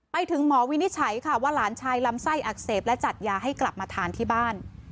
ไปถึงหมอวินิจฉัยค่ะว่าหลานชายลำไส้อักเสบและจัดยาให้กลับมาทานที่บ้าน